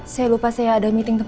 perpuluh nasi am defectaf